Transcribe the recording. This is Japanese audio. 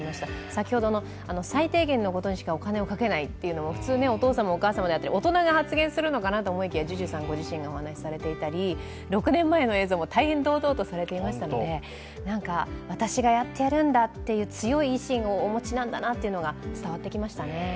先ほどの最低限のことにしかお金をかけないというのも普通、お父さんやお母さん、大人が発言するのかなと思いきや、Ｊｕｊｕさんご自身が発言されていたり、６年前の映像も大変堂々とされていましたので私がやってやるんだという強い意志をお持ちなんだなと伝わってきましたね。